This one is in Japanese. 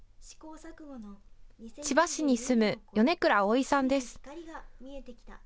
千葉市に住む米倉碧さんです。